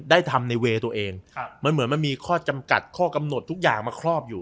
ได้ทำในเวย์ตัวเองมันเหมือนมันมีข้อจำกัดข้อกำหนดทุกอย่างมาครอบอยู่